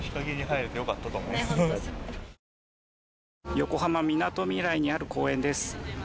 横浜みなとみらいにある公園です。